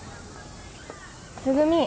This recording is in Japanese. つぐみ。